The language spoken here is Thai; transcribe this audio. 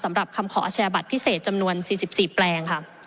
สำหรับคำขออาชญาบัตรพิเศษจำนวน๔๔แปลงค่ะ